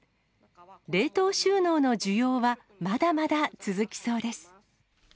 冷凍収納の需要はまだまだ続きそうです。